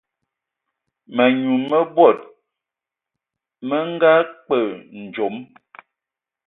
Mənyu mə bod mə nga kpe ndzom.